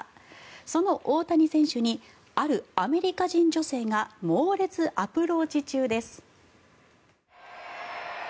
その大谷選手にあるアメリカ人女性が猛烈アプローチ中です。